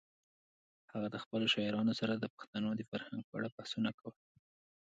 هغه د خپلو شاعرانو سره د پښتنو د فرهنګ په اړه بحثونه کول.